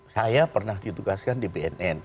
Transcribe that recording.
saya pernah ditugaskan di bnn